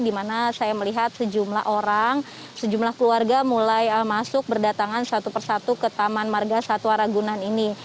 di mana saya melihat sejumlah orang sejumlah keluarga mulai masuk berdatangan satu persatu ke taman marga satwa ragunan ini